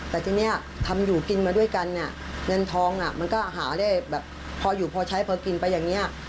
แต่ทีนี้ทำอยู่กินมาด้วยกันเนี่ยเงินทองมันก็หาได้แบบพออยู่พอใช้พอกินไปอย่างนี้